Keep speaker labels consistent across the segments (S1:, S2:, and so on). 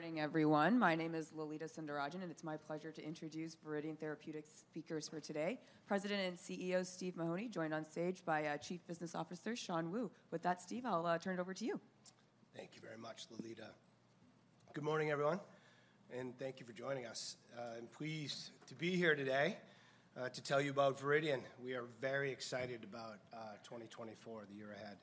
S1: Good morning, everyone. My name is Lalita Sundararajan, and it's my pleasure to introduce Viridian Therapeutics' speakers for today, President and CEO Steve Mahoney, joined on stage by Chief Business Officer Shan Wu. With that, Steve, I'll turn it over to you.
S2: Thank you very much, Lalita. Good morning, everyone, and thank you for joining us. I'm pleased to be here today to tell you about Viridian. We are very excited about 2024, the year ahead.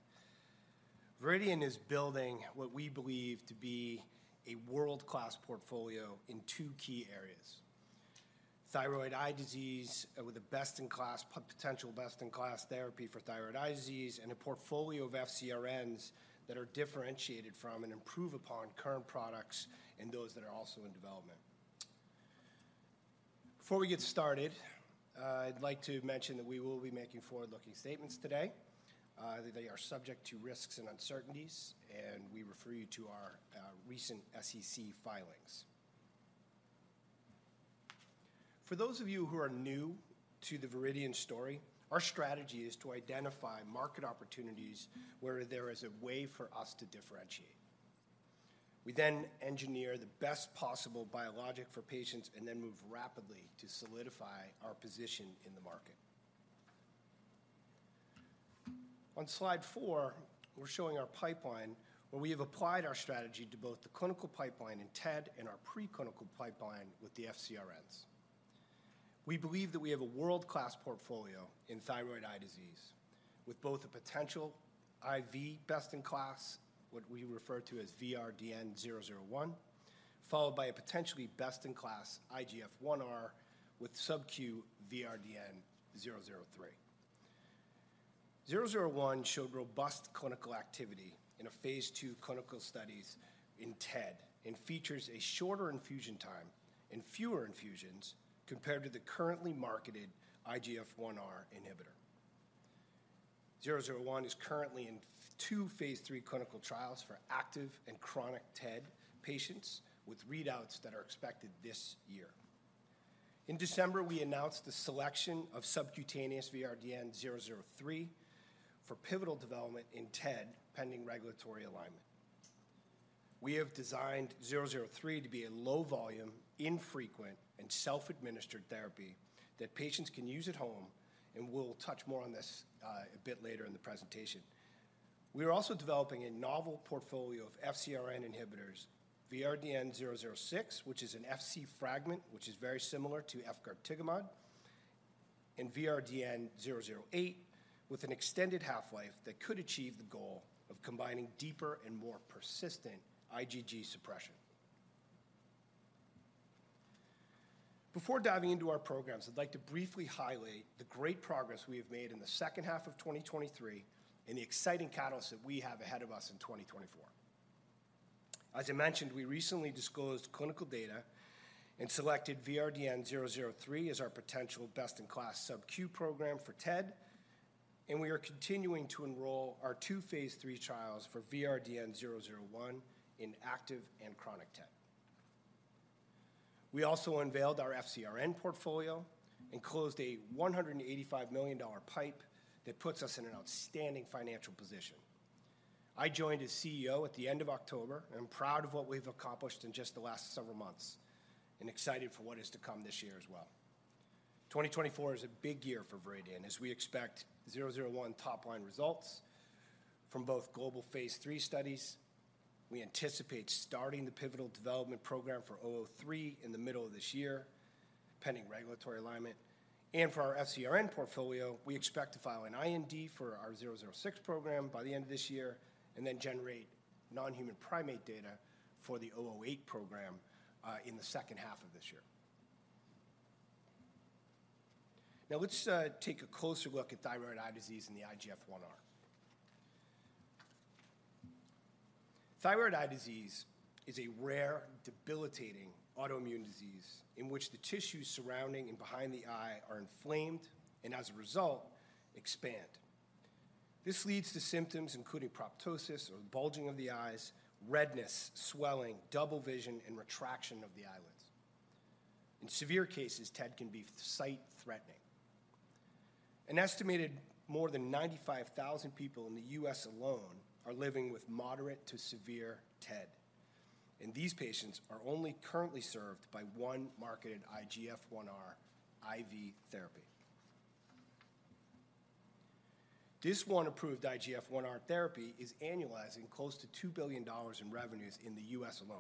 S2: Viridian is building what we believe to be a world-class portfolio in two key areas: thyroid eye disease, with a best-in-class potential best-in-class therapy for thyroid eye disease, and a portfolio of FcRns that are differentiated from and improve upon current products and those that are also in development. Before we get started, I'd like to mention that we will be making forward-looking statements today. They are subject to risks and uncertainties, and we refer you to our recent SEC filings. For those of you who are new to the Viridian story, our strategy is to identify market opportunities where there is a way for us to differentiate. We then engineer the best possible biologic for patients and then move rapidly to solidify our position in the market. On Slide four, we're showing our pipeline, where we have applied our strategy to both the clinical pipeline in TED and our preclinical pipeline with the FcRns. We believe that we have a world-class portfolio in thyroid eye disease, with both a potential IV best-in-class, what we refer to as VRDN-001, followed by a potentially best-in-class IGF-1R with subQ VRDN-003. VRDN-001 showed robust clinical activity in a phase II clinical studies in TED and features a shorter infusion time and fewer infusions compared to the currently marketed IGF-1R inhibitor. VRDN-001 is currently in two phase III clinical trials for active and chronic TED patients, with readouts that are expected this year. In December, we announced the selection of subcutaneous VRDN-003 for pivotal development in TED, pending regulatory alignment. We have designed VRDN-003 to be a low-volume, infrequent, and self-administered therapy that patients can use at home, and we'll touch more on this, a bit later in the presentation. We are also developing a novel portfolio of FcRn inhibitors, VRDN-006, which is an Fc fragment, which is very similar to efgartigimod, and VRDN-008, with an extended half-life that could achieve the goal of combining deeper and more persistent IgG suppression. Before diving into our programs, I'd like to briefly highlight the great progress we have made in the second half of 2023 and the exciting catalysts that we have ahead of us in 2024. As I mentioned, we recently disclosed clinical data and selected VRDN-003 as our potential best-in-class subQ program for TED, and we are continuing to enroll our two phase III trials for VRDN-001 in active and chronic TED. We also unveiled our FcRn portfolio and closed a $185 million PIPE that puts us in an outstanding financial position. I joined as CEO at the end of October, and I'm proud of what we've accomplished in just the last several months and excited for what is to come this year as well. 2024 is a big year for Viridian, as we expect 001 top-line results from both global phase III studies. We anticipate starting the pivotal development program for 003 in the middle of this year, pending regulatory alignment. And for our FcRn portfolio, we expect to file an IND for our 006 program by the end of this year and then generate non-human primate data for the 008 program in the second half of this year. Now, let's take a closer look at thyroid eye disease and the IGF-1R. Thyroid eye disease is a rare, debilitating autoimmune disease in which the tissues surrounding and behind the eye are inflamed, and as a result, expand. This leads to symptoms including proptosis or bulging of the eyes, redness, swelling, double vision, and retraction of the eyelids. In severe cases, TED can be sight-threatening. An estimated more than 95,000 people in the U.S. alone are living with moderate to severe TED, and these patients are only currently served by one marketed IGF-1R IV therapy. This one approved IGF-1R therapy is annualizing close to $2 billion in revenues in the U.S. alone.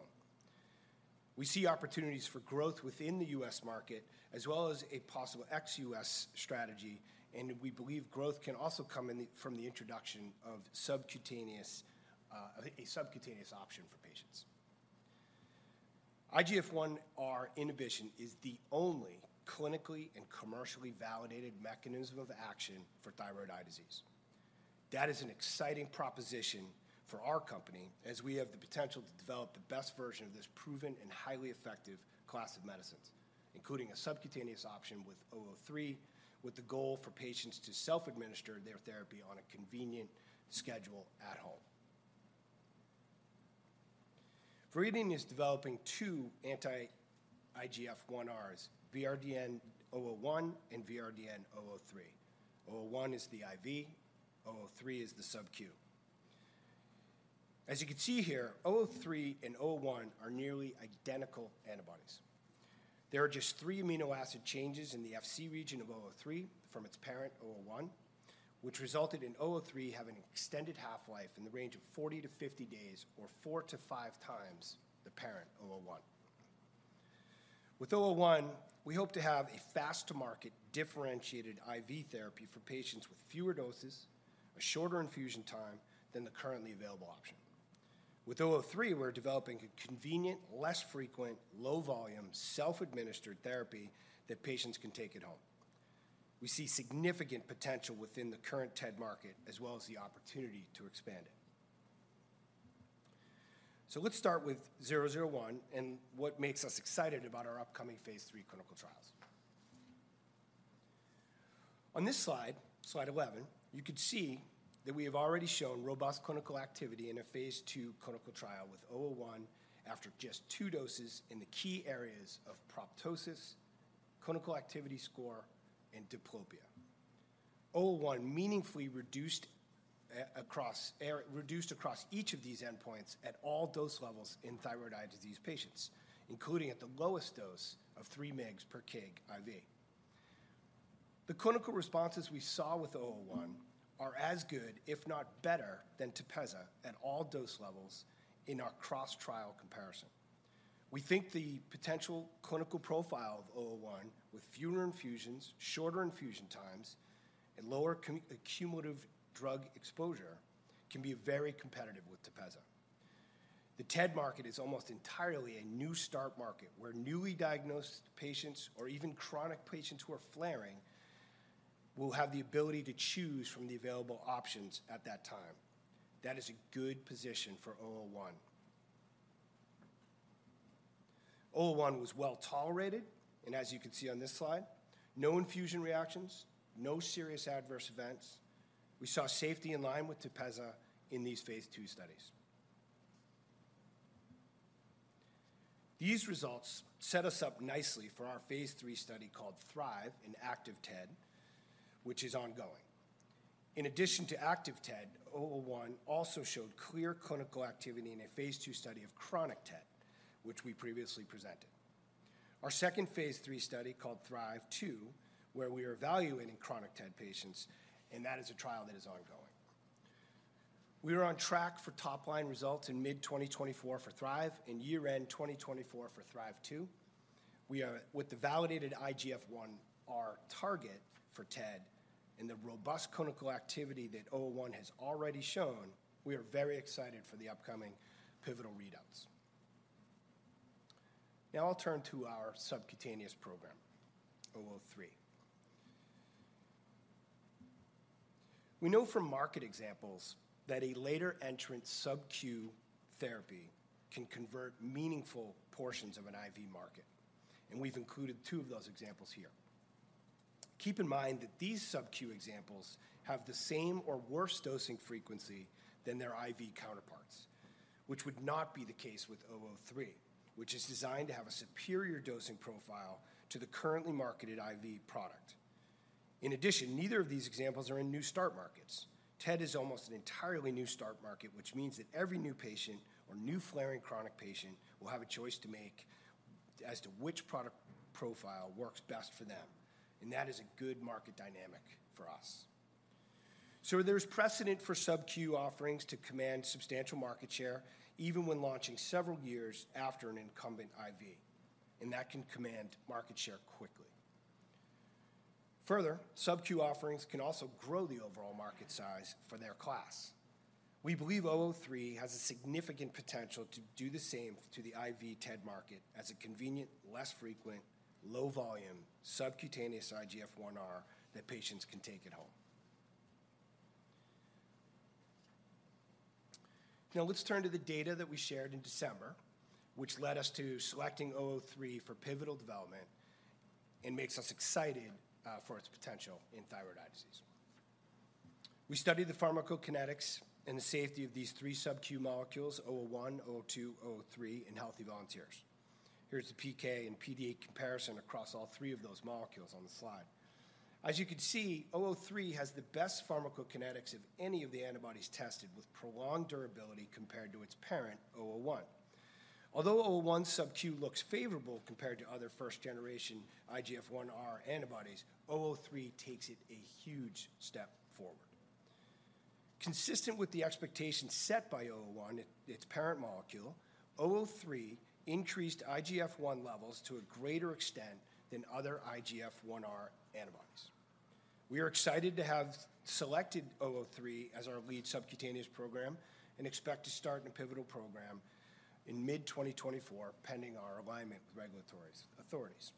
S2: We see opportunities for growth within the U.S. market, as well as a possible ex-U.S. strategy, and we believe growth can also come in from the introduction of subcutaneous, a subcutaneous option for patients. IGF-1R inhibition is the only clinically and commercially validated mechanism of action for thyroid eye disease. That is an exciting proposition for our company, as we have the potential to develop the best version of this proven and highly effective class of medicines, including a subcutaneous option with 003, with the goal for patients to self-administer their therapy on a convenient schedule at home. Viridian is developing two anti-IGF-1Rs, VRDN-001 and VRDN-003. 001 is the IV, 003 is the subQ. As you can see here, 003 and 001 are nearly identical antibodies. There are just three amino acid changes in the Fc region of 003 from its parent, 001, which resulted in 003 having an extended half-life in the range of 40-50 days or four to five times the parent, 001. With 001, we hope to have a fast-to-market, differentiated IV therapy for patients with fewer doses, a shorter infusion time than the currently available option. With 003, we're developing a convenient, less frequent, low volume, self-administered therapy that patients can take at home. We see significant potential within the current TED market, as well as the opportunity to expand it. So let's start with 001 and what makes us excited about our upcoming phase III clinical trials. On this slide, slide 11, you can see that we have already shown robust clinical activity in a phase II clinical trial with 001 after just two doses in the key areas of proptosis, clinical activity score, and diplopia. 001 meaningfully reduced across each of these endpoints at all dose levels in thyroid eye disease patients, including at the lowest dose of 3 mg/kg IV. The clinical responses we saw with 001 are as good, if not better, than TEPEZZA at all dose levels in our cross-trial comparison. We think the potential clinical profile of 001, with fewer infusions, shorter infusion times, and lower cumulative drug exposure, can be very competitive with TEPEZZA. The TED market is almost entirely a new start market, where newly diagnosed patients or even chronic patients who are flaring will have the ability to choose from the available options at that time. That is a good position for 001. 001 was well tolerated, and as you can see on this slide, no infusion reactions, no serious adverse events. We saw safety in line with TEPEZZA in these phase II studies. These results set us up nicely for our phase III study called THRIVE in active TED, which is ongoing. In addition to active TED, 001 also showed clear clinical activity in a phase II study of chronic TED, which we previously presented. Our second phase III study, called THRIVE II, where we are evaluating chronic TED patients, and that is a trial that is ongoing. We are on track for top-line results in mid-2024 for THRIVE and year-end 2024 for THRIVE II. With the validated IGF-1R target for TED and the robust clinical activity that 001 has already shown, we are very excited for the upcoming pivotal readouts. Now I'll turn to our subcutaneous program, 003. We know from market examples that a later-entrant subQ therapy can convert meaningful portions of an IV market, and we've included two of those examples here. Keep in mind that these subQ examples have the same or worse dosing frequency than their IV counterparts, which would not be the case with 003, which is designed to have a superior dosing profile to the currently marketed IV product. In addition, neither of these examples are in new start markets. TED is almost an entirely new start market, which means that every new patient or new flaring chronic patient will have a choice to make as to which product profile works best for them, and that is a good market dynamic for us. So there's precedent for subQ offerings to command substantial market share, even when launching several years after an incumbent IV, and that can command market share quickly. Further, subQ offerings can also grow the overall market size for their class. We believe 003 has a significant potential to do the same to the IV TED market as a convenient, less frequent, low volume, subcutaneous IGF-1R that patients can take at home. Now, let's turn to the data that we shared in December, which led us to selecting 003 for pivotal development and makes us excited for its potential in thyroid eye disease. We studied the pharmacokinetics and the safety of these three subQ molecules, 001, 002, 003, in healthy volunteers. Here's the PK and PD comparison across all three of those molecules on the slide. As you can see, 003 has the best pharmacokinetics of any of the antibodies tested, with prolonged durability compared to its parent, 001. Although 001 subQ looks favorable compared to other first-generation IGF-1R antibodies, 003 takes it a huge step forward. Consistent with the expectations set by 001, its parent molecule, 003 increased IGF-1 levels to a greater extent than other IGF-1R antibodies. We are excited to have selected 003 as our lead subcutaneous program and expect to start a pivotal program in mid-2024, pending our alignment with regulatory authorities.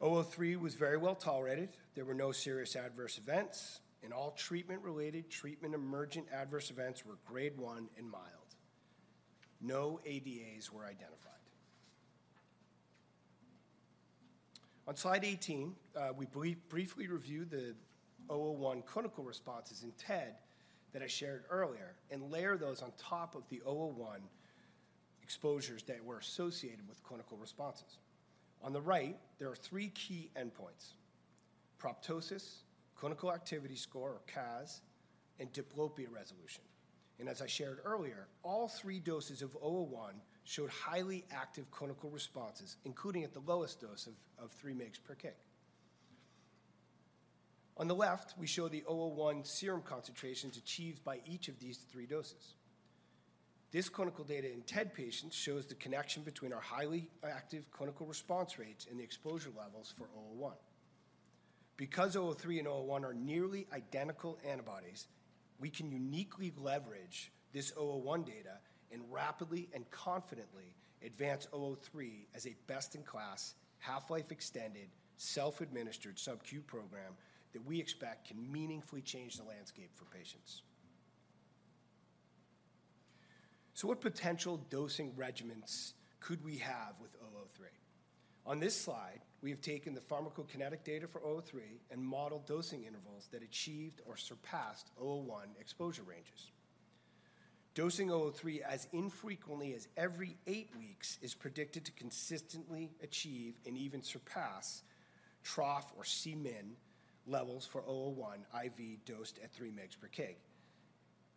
S2: 003 was very well tolerated. There were no serious adverse events, and all treatment-related, treatment-emergent adverse events were grade 1 and mild. No ADAs were identified. On slide 18, we briefly review the 001 clinical responses in TED that I shared earlier and layer those on top of the 001 exposures that were associated with clinical responses. On the right, there are three key endpoints: proptosis, Clinical Activity Score or CAS, and diplopia resolution. As I shared earlier, all three doses of VRDN-001 showed highly active clinical responses, including at the lowest dose of 3 mg/kg. On the left, we show the VRDN-001 serum concentrations achieved by each of these three doses. This clinical data in TED patients shows the connection between our highly active clinical response rates and the exposure levels for VRDN-001. Because VRDN-003 and VRDN-001 are nearly identical antibodies, we can uniquely leverage this VRDN-001 data and rapidly and confidently advance VRDN-003 as a best-in-class, half-life extended, self-administered subQ program that we expect can meaningfully change the landscape for patients. So what potential dosing regimens could we have with VRDN-003? On this slide, we've taken the pharmacokinetic data for VRDN-003 and modeled dosing intervals that achieved or surpassed VRDN-001 exposure ranges. Dosing VRDN-003 as infrequently as every eight weeks is predicted to consistently achieve and even surpass trough or Cmin levels for VRDN-001 IV dosed at 3 mg/kg.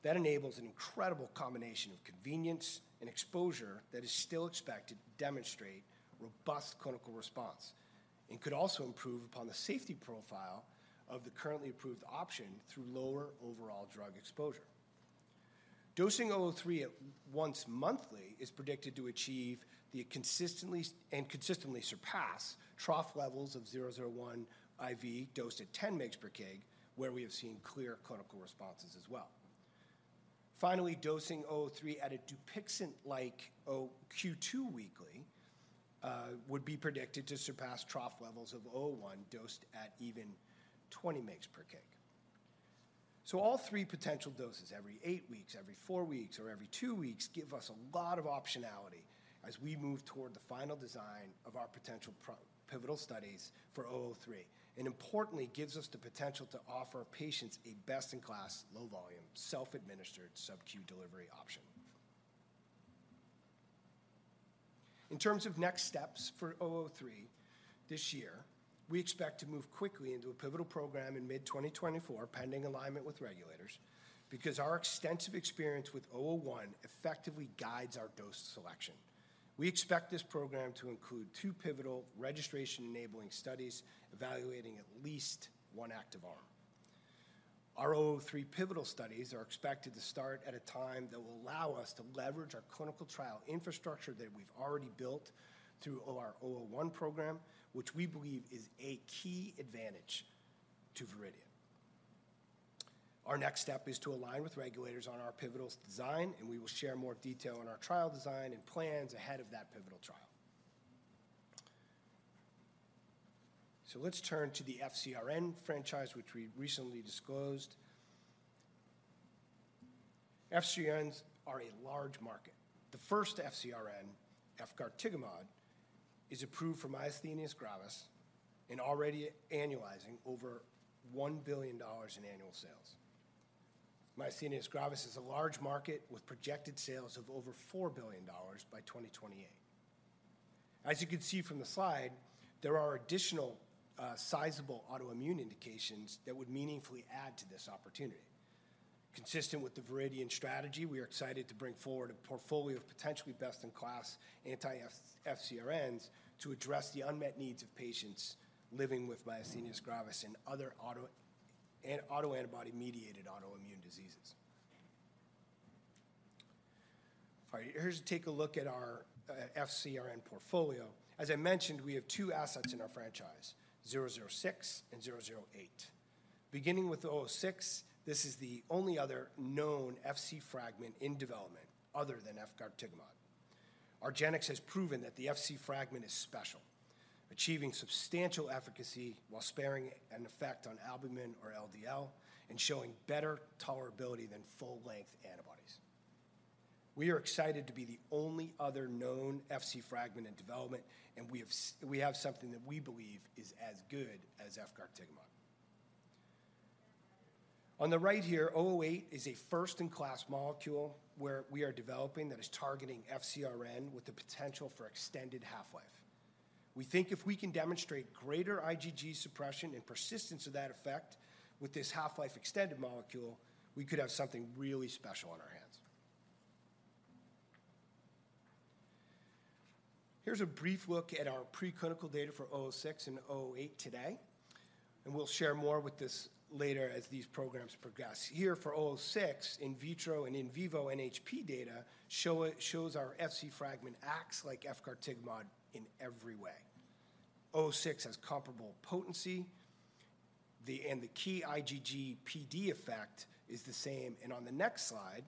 S2: That enables an incredible combination of convenience and exposure that is still expected to demonstrate robust clinical response and could also improve upon the safety profile of the currently approved option through lower overall drug exposure. Dosing VRDN-003 at once monthly is predicted to achieve and consistently surpass trough levels of VRDN-001 IV dosed at 10 mg/kg, where we have seen clear clinical responses as well. Finally, dosing VRDN-003 at a Dupixent-like Q2 weekly would be predicted to surpass trough levels of VRDN-001 dosed at even 20 mg/kg. So all three potential doses, every eight weeks, every four weeks, or every two weeks, give us a lot of optionality as we move toward the final design of our potential pivotal studies for 003, and importantly, gives us the potential to offer patients a best-in-class, low-volume, self-administered subQ delivery option. In terms of next steps for 003, this year, we expect to move quickly into a pivotal program in mid-2024, pending alignment with regulators, because our extensive experience with 001 effectively guides our dose selection. We expect this program to include two pivotal registration-enabling studies evaluating at least one active arm. Our 003 pivotal studies are expected to start at a time that will allow us to leverage our clinical trial infrastructure that we've already built through our 001 program, which we believe is a key advantage to Viridian. Our next step is to align with regulators on our pivotal's design, and we will share more detail on our trial design and plans ahead of that pivotal trial. So let's turn to the FcRn franchise, which we recently disclosed. FcRns are a large market. The first FcRn, efgartigimod, is approved for myasthenia gravis and already annualizing over $1 billion in annual sales. Myasthenia gravis is a large market with projected sales of over $4 billion by 2028. As you can see from the slide, there are additional sizable autoimmune indications that would meaningfully add to this opportunity. Consistent with the Viridian strategy, we are excited to bring forward a portfolio of potentially best-in-class anti-FcRns to address the unmet needs of patients living with myasthenia gravis and other auto- and autoantibody-mediated autoimmune diseases. All right. Here's take a look at our FcRn portfolio. As I mentioned, we have two assets in our franchise: 006 and 008. Beginning with 006, this is the only other known Fc fragment in development other than efgartigimod. Argenx has proven that the Fc fragment is special, achieving substantial efficacy while sparing an effect on albumin or LDL and showing better tolerability than full-length antibodies. We are excited to be the only other known Fc fragment in development, and we have something that we believe is as good as efgartigimod. On the right here, 008 is a first-in-class molecule where we are developing that is targeting FcRn with the potential for extended half-life. We think if we can demonstrate greater IgG suppression and persistence of that effect with this half-life extended molecule, we could have something really special on our hands. Here's a brief look at our preclinical data for VRDN-006 and VRDN-008 today, and we'll share more with this later as these programs progress. Here for VRDN-006, in vitro and in vivo NHP data shows our Fc fragment acts like efgartigimod in every way. VRDN-006 has comparable potency, and the key IgG PD effect is the same, and on the next slide,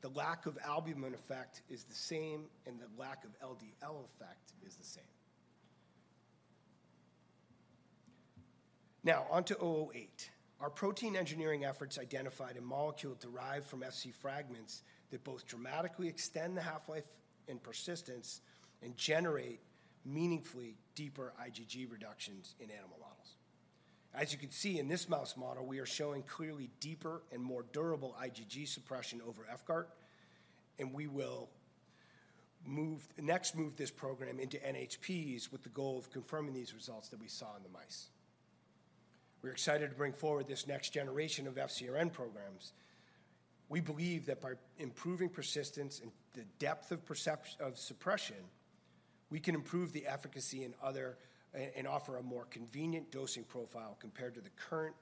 S2: the lack of albumin effect is the same, and the lack of LDL effect is the same. Now, on to VRDN-008. Our protein engineering efforts identified a molecule derived from Fc fragments that both dramatically extend the half-life and persistence and generate meaningfully deeper IgG reductions in animal models. As you can see in this mouse model, we are showing clearly deeper and more durable IgG suppression over FCART, and we will next move this program into NHPs with the goal of confirming these results that we saw in the mice. We're excited to bring forward this next generation of FcRn programs. We believe that by improving persistence and the depth of suppression, we can improve the efficacy in other and offer a more convenient dosing profile compared to the current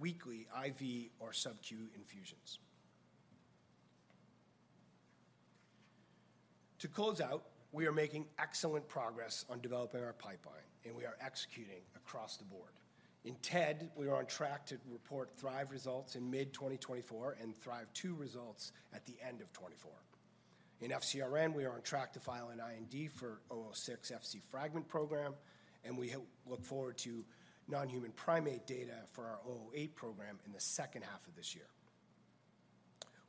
S2: weekly IV or subQ infusions. To close out, we are making excellent progress on developing our pipeline, and we are executing across the board. In TED, we are on track to report THRIVE results in mid-2024 and THRIVE-2 results at the end of 2024. In FcRn, we are on track to file an IND for VRDN-006 Fc fragment program, and we look forward to non-human primate data for our VRDN-008 program in the second half of this year.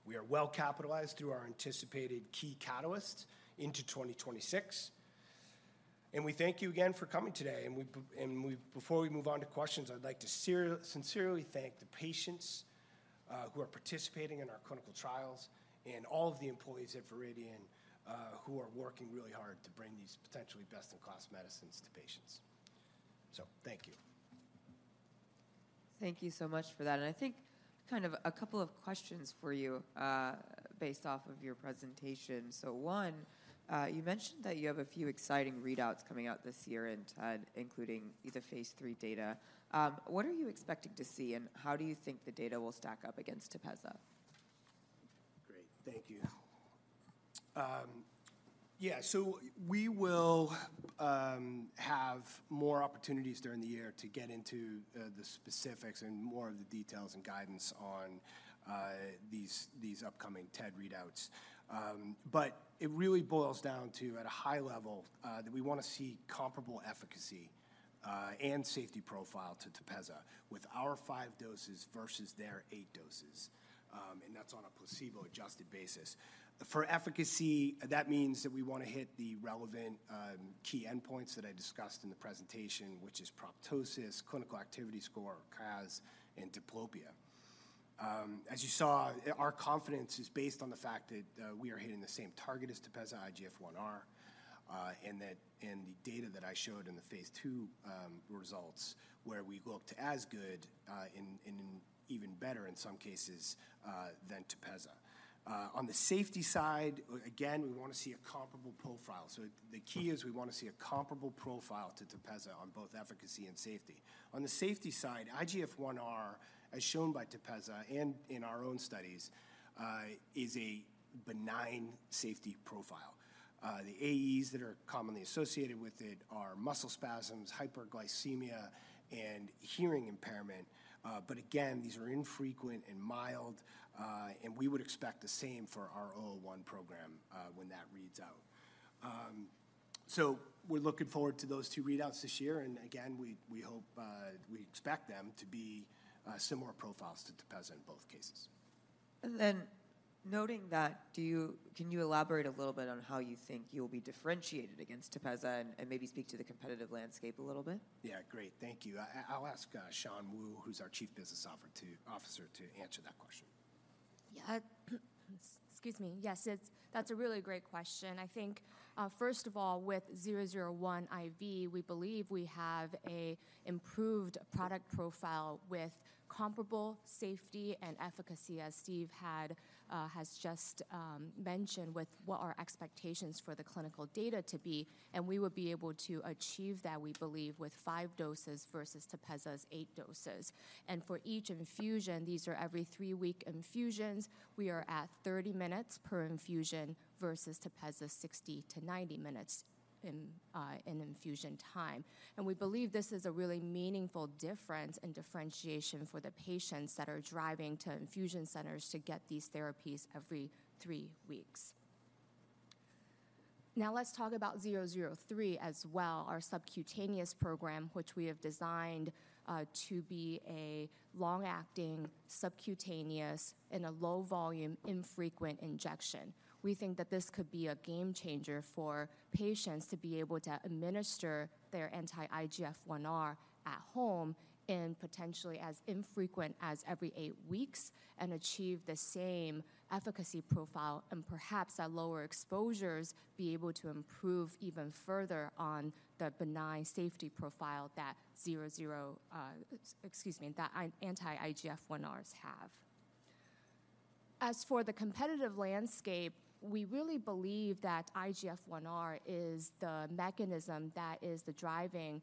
S2: We are well-capitalized through our anticipated key catalyst into 2026, and we thank you again for coming today. And before we move on to questions, I'd like to sincerely thank the patients who are participating in our clinical trials and all of the employees at Viridian who are working really hard to bring these potentially best-in-class medicines to patients. So thank you.
S1: Thank you so much for that, and I think kind of a couple of questions for you, based off of your presentation. So one, you mentioned that you have a few exciting readouts coming out this year in TED, including either phase three data. What are you expecting to see, and how do you think the data will stack up against TEPEZZA?
S2: Great. Thank you. Yeah, so we will have more opportunities during the year to get into the specifics and more of the details and guidance on these upcoming TED readouts. But it really boils down to, at a high level, that we wanna see comparable efficacy and safety profile to TEPEZZA with our five doses versus their eight doses, and that's on a placebo-adjusted basis. For efficacy, that means that we wanna hit the relevant key endpoints that I discussed in the presentation, which is proptosis, clinical activity score, CAS, and diplopia. As you saw, our confidence is based on the fact that we are hitting the same target as TEPEZZA, IGF-1R, and the data that I showed in the phase II results, where we looked as good and even better in some cases than TEPEZZA. On the safety side, again, we wanna see a comparable profile. So the key is we wanna see a comparable profile to TEPEZZA on both efficacy and safety. On the safety side, IGF-1R, as shown by TEPEZZA and in our own studies, is a benign safety profile. The AEs that are commonly associated with it are muscle spasms, hyperglycemia, and hearing impairment. But again, these are infrequent and mild, and we would expect the same for our 001 program when that reads out. So we're looking forward to those two readouts this year, and again, we hope, we expect them to be similar profiles to TEPEZZA in both cases.
S1: Then, noting that, can you elaborate a little bit on how you think you'll be differentiated against TEPEZZA and, and maybe speak to the competitive landscape a little bit?
S2: Yeah, great. Thank you. I’ll ask Shan Wu, who’s our Chief Business Officer, to answer that question.
S3: Yeah, excuse me. Yes, it's, that's a really great question. I think, first of all, with VRDN-001 IV, we believe we have a improved product profile with comparable safety and efficacy, as Steve had, has just, mentioned, with what our expectations for the clinical data to be, and we would be able to achieve that, we believe, with five doses versus TEPEZZA's eight doses. And for each infusion, these are every three-week infusions, we are at 30 minutes per infusion versus TEPEZZA's 60-90 minutes in infusion time. And we believe this is a really meaningful difference and differentiation for the patients that are driving to infusion centers to get these therapies every three weeks. Now, let's talk about 003 as well, our subcutaneous program, which we have designed to be a long-acting subcutaneous in a low volume, infrequent injection. We think that this could be a game changer for patients to be able to administer their anti-IGF-1R at home in potentially as infrequent as every eight weeks and achieve the same efficacy profile and perhaps at lower exposures, be able to improve even further on the benign safety profile that zero, zero, excuse me, that anti-IGF-1Rs have. As for the competitive landscape, we really believe that IGF-1R is the mechanism that is the driving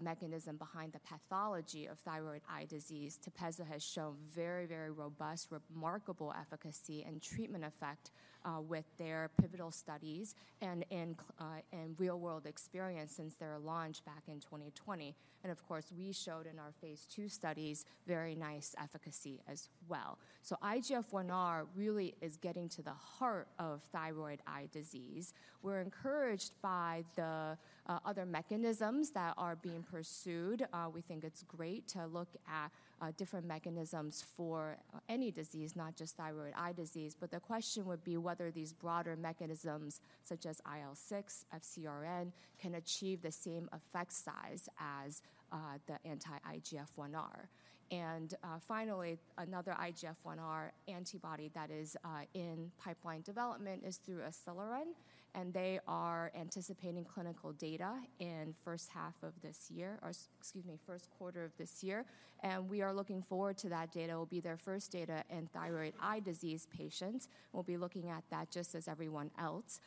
S3: mechanism behind the pathology of thyroid eye disease. TEPEZZA has shown very, very robust, remarkable efficacy and treatment effect with their pivotal studies and in real-world experience since their launch back in 2020. And of course, we showed in our phase II studies very nice efficacy as well. So IGF-1R really is getting to the heart of thyroid eye disease. We're encouraged by the other mechanisms that are being pursued. We think it's great to look at different mechanisms for any disease, not just thyroid eye disease. But the question would be whether these broader mechanisms, such as IL-6, FcRn, can achieve the same effect size as the anti-IGF-1R. And finally, another IGF-1R antibody that is in pipeline development is through Acelyrin, and they are anticipating clinical data in first half of this year, or excuse me, Q1 of this year, and we are looking forward to that data. It will be their first data in thyroid eye disease patients. We'll be looking at that just as everyone else.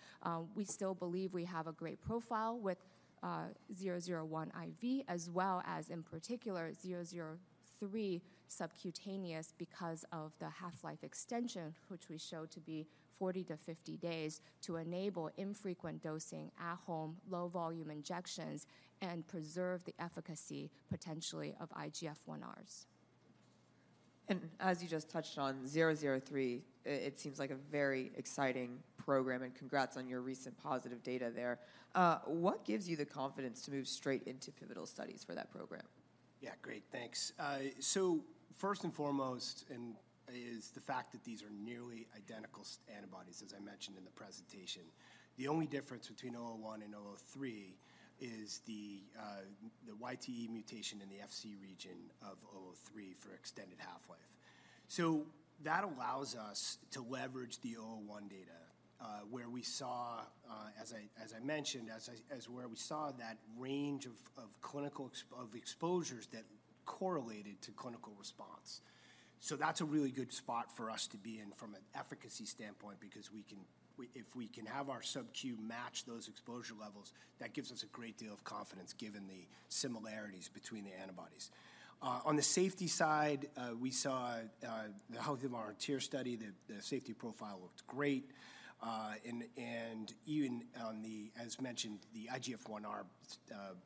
S3: We still believe we have a great profile with VRDN-001 IV, as well as in particular, VRDN-003 subcutaneous because of the half-life extension, which we show to be 40-50 days, to enable infrequent dosing at home, low volume injections, and preserve the efficacy, potentially, of IGF-1Rs.
S1: As you just touched on, 003, it seems like a very exciting program, and congrats on your recent positive data there. What gives you the confidence to move straight into pivotal studies for that program?
S2: Yeah, great. Thanks. So first and foremost is the fact that these are nearly identical antibodies, as I mentioned in the presentation. The only difference between 001 and 003 is the YTE mutation in the Fc region of 003 for extended half-life. So that allows us to leverage the 001 data, where we saw, as I mentioned, that range of clinical exposures that correlated to clinical response. So that's a really good spot for us to be in from an efficacy standpoint, because if we can have our subQ match those exposure levels, that gives us a great deal of confidence, given the similarities between the antibodies. On the safety side, we saw in our THRIVE study, the safety profile looked great. And even, as mentioned, the IGF-1R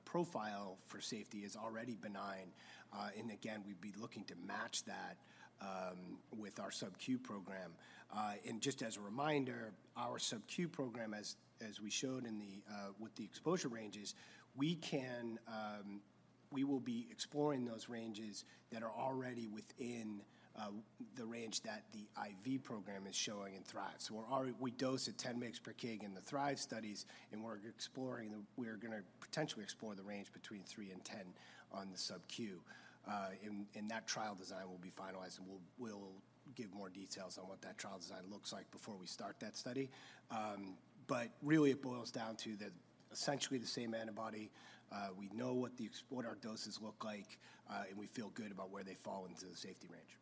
S2: profile for safety is already benign. And again, we'd be looking to match that with our subQ program. And just as a reminder, our subQ program, as we showed with the exposure ranges, we can, we will be exploring those ranges that are already within the range that the IV program is showing in THRIVE. So we're already—we dose at 10 mgs per kg in the THRIVE studies, and we're exploring the—we're gonna potentially explore the range between 3 and 10 on the subQ. That trial design will be finalized, and we'll give more details on what that trial design looks like before we start that study. But really, it boils down to that essentially the same antibody. We know what our doses look like, and we feel good about where they fall into the safety range.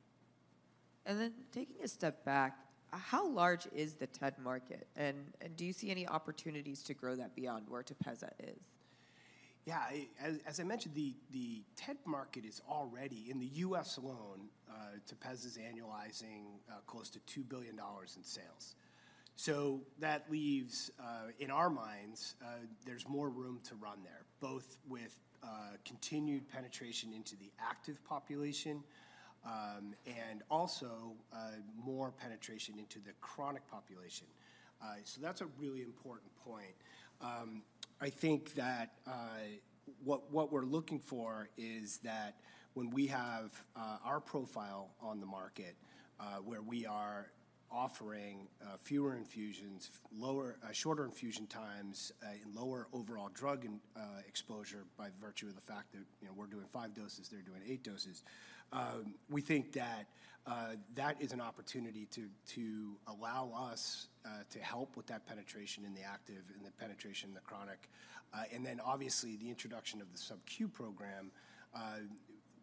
S1: And then taking a step back, how large is the TED market? And, do you see any opportunities to grow that beyond where TEPEZZA is?
S2: Yeah, as I mentioned, the TED market is already... In the U.S. alone, TEPEZZA's annualizing close to $2 billion in sales. So that leaves, in our minds, there's more room to run there, both with continued penetration into the active population, and also more penetration into the chronic population. So that's a really important point. I think that what we're looking for is that when we have our profile on the market, where we are offering fewer infusions, lower, shorter infusion times, and lower overall drug and exposure by virtue of the fact that, you know, we're doing five doses, they're doing eight doses, we think that that is an opportunity to allow us to help with that penetration in the active and the penetration in the chronic. And then, obviously, the introduction of the subQ program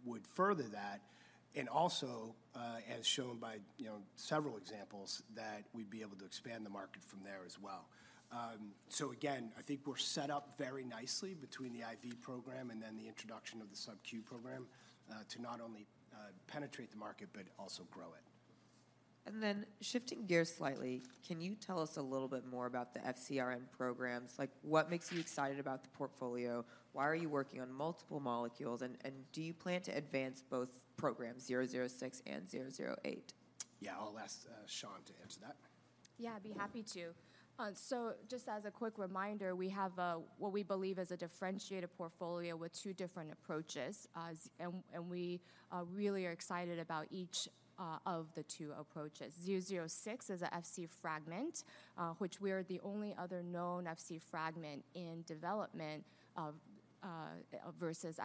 S2: would further that, and also, as shown by, you know, several examples, that we'd be able to expand the market from there as well. So again, I think we're set up very nicely between the IV program and then the introduction of the subQ program, to not only penetrate the market but also grow it.
S1: And then shifting gears slightly, can you tell us a little bit more about the FcRn programs? Like, what makes you excited about the portfolio? Why are you working on multiple molecules, and do you plan to advance both programs, 006 and 008?
S2: Yeah, I'll ask, Shan to-...
S3: Yeah, I'd be happy to. So just as a quick reminder, we have what we believe is a differentiated portfolio with two different approaches. And we are really excited about each of the two approaches. VRDN-006 is an Fc fragment, which we are the only other known Fc fragment in development versus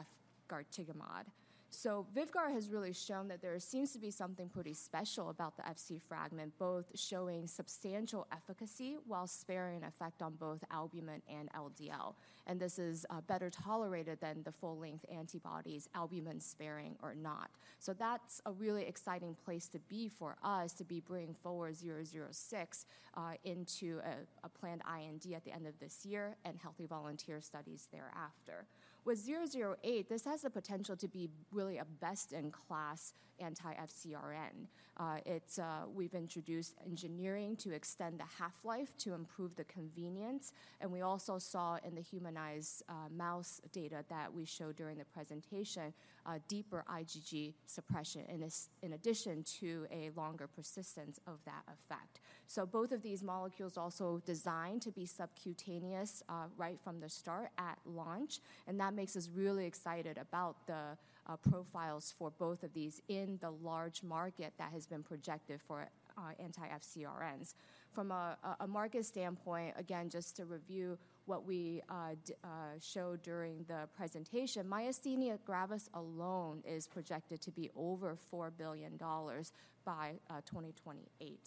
S3: efgartigimod. So VYVGART has really shown that there seems to be something pretty special about the Fc fragment, both showing substantial efficacy while sparing effect on both albumin and LDL. And this is better tolerated than the full-length antibodies, albumin-sparing or not. So that's a really exciting place to be for us, to be bringing forward VRDN-006 into a planned IND at the end of this year and healthy volunteer studies thereafter. With 008, this has the potential to be really a best-in-class anti-FcRn. It's, we've introduced engineering to extend the half-life to improve the convenience, and we also saw in the humanized mouse data that we showed during the presentation, a deeper IgG suppression in this, in addition to a longer persistence of that effect. So both of these molecules also designed to be subcutaneous, right from the start at launch, and that makes us really excited about the, profiles for both of these in the large market that has been projected for, anti-FcRns. From a, market standpoint, again, just to review what we, showed during the presentation, myasthenia gravis alone is projected to be over $4 billion by, 2028.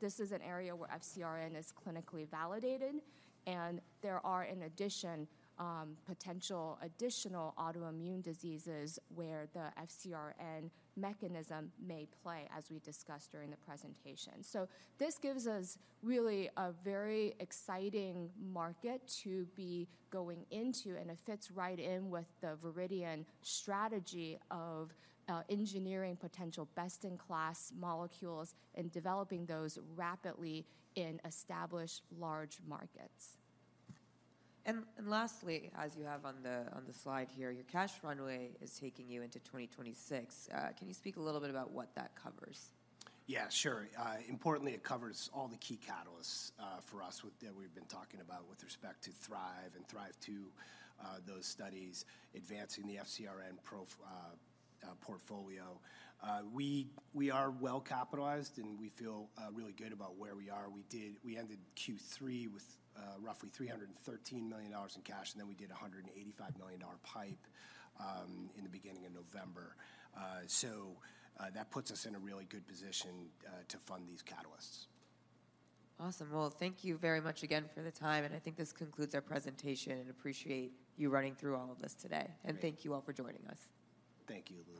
S3: This is an area where FcRn is clinically validated, and there are, in addition, potential additional autoimmune diseases where the FcRn mechanism may play, as we discussed during the presentation. This gives us really a very exciting market to be going into, and it fits right in with the Viridian strategy of engineering potential best-in-class molecules and developing those rapidly in established large markets.
S1: Lastly, as you have on the slide here, your cash runway is taking you into 2026. Can you speak a little bit about what that covers?
S2: Yeah, sure. Importantly, it covers all the key catalysts for us with—that we've been talking about with respect to THRIVE and THRIVE-2, those studies advancing the FcRn portfolio. We, we are well-capitalized, and we feel really good about where we are. We ended Q3 with roughly $313 million in cash, and then we did a $185 million PIPE in the beginning of November. So, that puts us in a really good position to fund these catalysts.
S1: Awesome. Well, thank you very much again for the time, and I think this concludes our presentation, and appreciate you running through all of this today.
S2: Great.
S1: Thank you all for joining us.
S2: Thank you, Louise.